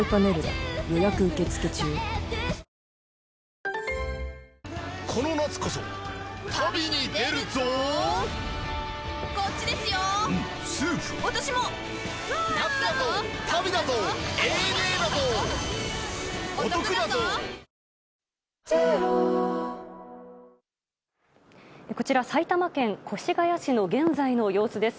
わかるぞこちら、埼玉県越谷市の現在の様子です。